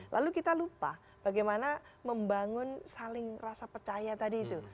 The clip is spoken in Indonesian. lalu kita lupa bagaimana membangun saling rasa percaya tadi itu